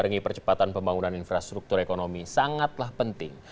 kecepatan pembangunan infrastruktur ekonomi sangatlah penting